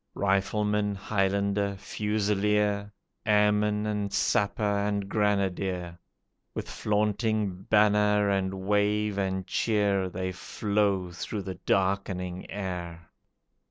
Rifleman, Highlander, Fusilier, Airman and Sapper and Grenadier, With flaunting banner and wave and cheer, They flow through the darkening air.